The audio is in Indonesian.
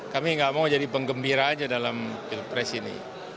kami gak mau jadi penggembira aja dalam pres ini